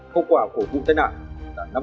hậu quả của vụ tàn nạn là năm người tử vong